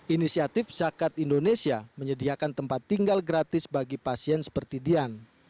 inisiatif zakat indonesia menyediakan tempat tinggal gratis bagi pasien seperti dian